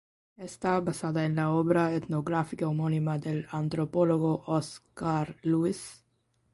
Está basada en la obra etnográfica homónima del antropólogo Oscar Lewis.